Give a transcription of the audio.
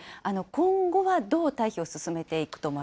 今後はどう退避を進めていくと思